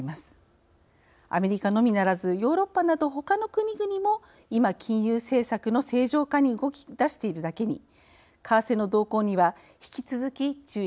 アメリカのみならずヨーロッパなどほかの国々も今金融政策の正常化に動きだしているだけに為替の動向には引き続き注意が必要です。